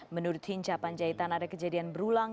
menurut hinca panjaitan ada kejadian berulang